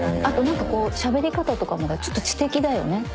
あとなんかこうしゃべり方とかもちょっと知的だよね。